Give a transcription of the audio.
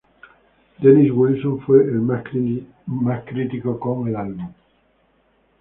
Dennis Wilson fue el más crítico con el álbum.